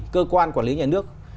cơ quan quản lý nhà nước